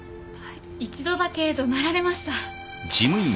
一度だけどなられました